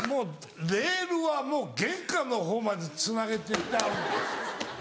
レールはもう玄関のほうまでつなげて行ってあるのよ。